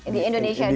di indonesia dulu ya